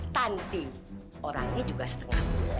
tanti orangnya juga setengah